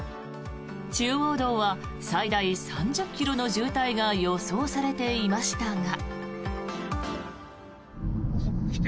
中央道は最大３０ｋｍの渋滞が予想されていましたが。